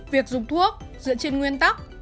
việc dùng thuốc dựa trên nguyên tắc